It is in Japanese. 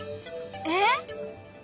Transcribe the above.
えっ！